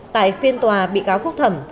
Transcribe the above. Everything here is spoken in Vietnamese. tại phiên tòa bị cáo khúc thẩm